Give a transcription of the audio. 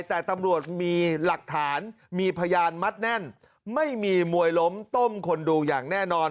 แต่ตำรวจมีหลักฐานมีพยานมัดแน่นไม่มีมวยล้มต้มคนดูอย่างแน่นอน